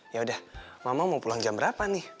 yaudah mama mau pulang jam berapa nih